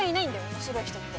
面白い人って。